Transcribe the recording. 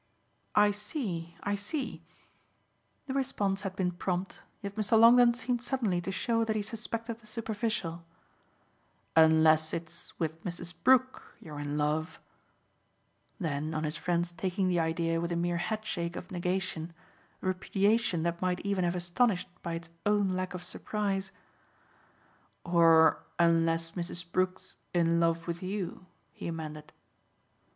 "I see, I see." The response had been prompt, yet Mr. Longdon seemed suddenly to show that he suspected the superficial. "Unless it's with Mrs. Brook you're in love." Then on his friend's taking the idea with a mere headshake of negation, a repudiation that might even have astonished by its own lack of surprise, "Or unless Mrs. Brook's in love with you," he amended.